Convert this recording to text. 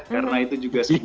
karena itu juga sebuah